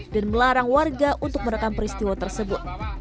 dan melarang warga untuk merekam peristiwa tersebut